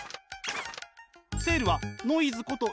セールはノイズこと